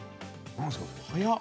早っ。